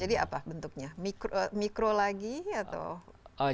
jadi apa bentuknya mikro lagi atau